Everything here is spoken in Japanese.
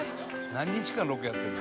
「何日間ロケやってる？」